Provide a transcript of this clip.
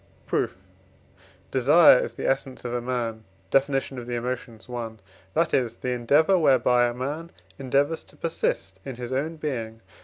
Proof. Desire is the essence of a man (Def. of the Emotions, i.), that is, the endeavour whereby a man endeavours to persist in his own being.